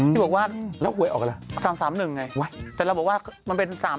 ที่บอกว่าแล้วหวยออกอะไร๓๓๑ไงวะแต่เราบอกว่ามันเป็น๓๐